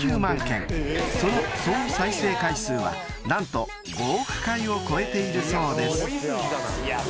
［その総再生回数は何と５億回を超えているそうです］